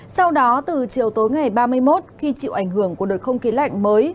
sau đó từ chiều tối ngày ba mươi một khi chịu ảnh hưởng của đợt không khí lạnh mới